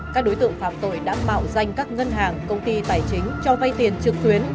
các đối tượng phạm tội đã mạo danh các ngân hàng công ty tài chính cho vay tiền trực tuyến